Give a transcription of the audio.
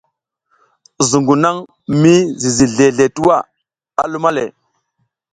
Zuƞgu naƞ mi zizi zleʼe tuwa, a luma le.